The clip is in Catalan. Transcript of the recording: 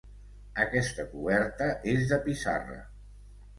Aquesta coberta és de pissarra.